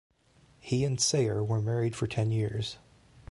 He and Sayer were married for ten years.